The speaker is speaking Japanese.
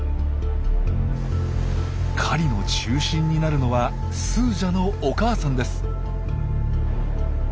狩りの中心になるのはスージャのお母さんです。